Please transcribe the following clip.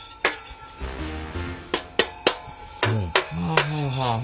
はあはあはあ。